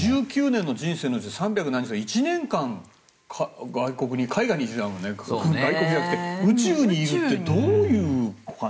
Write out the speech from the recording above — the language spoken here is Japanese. ５９年の人生のうちで３００何日だから１年間外国にってあるけど外国じゃなくて宇宙にいるってどういう。